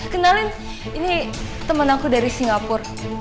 kenalin ini teman aku dari singapura